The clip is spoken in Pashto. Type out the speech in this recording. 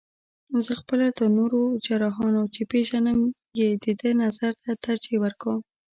زه خپله تر نورو جراحانو، چې پېژنم یې د ده نظر ته ترجیح ورکوم.